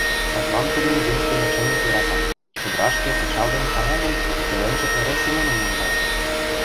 Садлан тудым земский начальник йӧрата, чодырашке пычал дене кая гын, пеленже эре Семоным наҥгая.